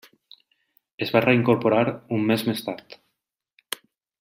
Es va reincorporar un mes més tard.